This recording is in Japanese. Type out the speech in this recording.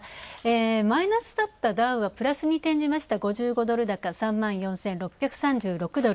マイナスだったダウがプラスに転じ、５５ドル高、３万４６３４ドル。